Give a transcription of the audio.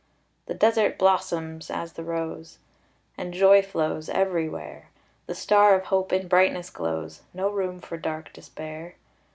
The desert blossoms as the rose, And joy flows everywhere; The star of hope in brightness glows, No room for dark despair.